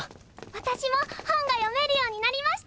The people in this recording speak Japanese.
私も本が読めるようになりました。